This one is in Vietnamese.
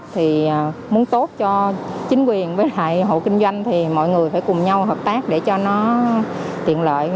thì muốn tốt cho chính quyền với lại hộ kinh doanh thì mọi người phải cùng nhau hợp tác để cho nó tiện lợi